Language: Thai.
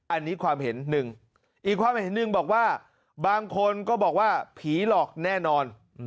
อันนี้ความเห็นหนึ่งอีกความเห็นหนึ่งบอกว่าบางคนก็บอกว่าผีหลอกแน่นอน